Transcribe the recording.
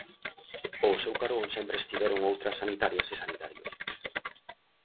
Ao seu carón sempre estiveron outras sanitarias e sanitarios.